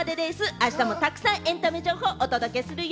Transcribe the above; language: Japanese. あしたもたくさんエンタメ情報をお届けするよ！